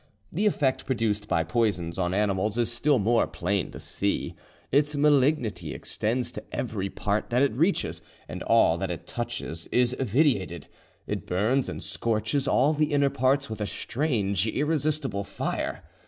The effect produced by poisons on animals is still more plain to see: its malignity extends to every part that it reaches, and all that it touches is vitiated; it burns and scorches all the inner parts with a strange, irresistible fire.